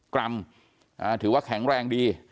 กรัมถือว่าแข็งแรงดี